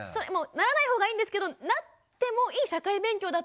ならないほうがいいんですけどなってもいい社会勉強だったなって。